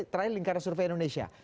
terakhir lingkaran survei indonesia